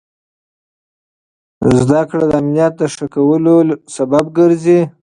زده کړه د امنیت د ښه کولو لامل ګرځي.